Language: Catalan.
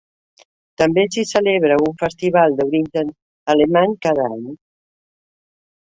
També s'hi celebra un festival d'origen alemany cada any.